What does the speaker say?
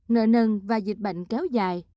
nợ nần và dịch bệnh kéo dài